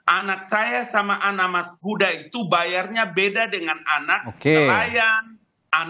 anak saya sama anak mas huda itu bayarnya beda dengan anak nelayan